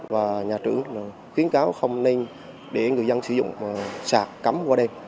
và nhà trưởng khuyến cáo không nên để người dân sử dụng sạc cắm qua đêm